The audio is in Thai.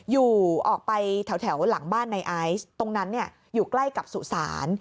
อยู่ออกไปแถวหลังบ้านในไอซ์ตรงนั้นอยู่ใกล้กับสุสาน